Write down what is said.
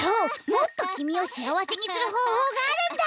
もっときみをしあわせにするほうほうがあるんだ！